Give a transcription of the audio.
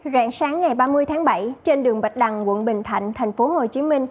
rạng sáng ngày ba mươi tháng bảy trên đường bạch đằng quận bình thạnh tp hcm